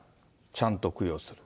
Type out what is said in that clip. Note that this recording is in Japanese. ちゃんと供養する。